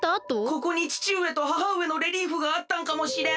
ここにちちうえとははうえのレリーフがあったんかもしれん。